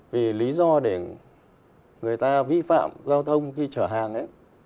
vì lý do để người ta vi phạm giao thông khi chở hàng